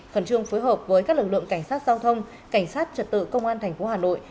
khẩn trương phối hợp với các lực lượng cảnh sát giao thông cảnh sát trật tự công an tp hà nội